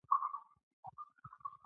سنايي غزنوي د فارسي ژبې مشهور شاعر و.